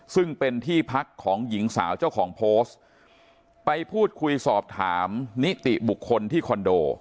ซึ่งเป็นที่พักของหญิงสาวเจ้าของโพสต์ไปพูดคุยสอบถามนิติบุคคลที่คอนโด